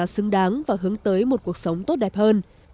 đó là khi lao động được trả ra xứng đáng và hướng tới một cuộc sống tốt đẹp hơn